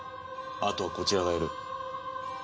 あとはこちらがやる。